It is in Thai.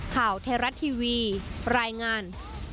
ข่าวเทราะทีวีรายงาน